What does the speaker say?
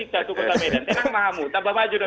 terima kasih juga bang jansen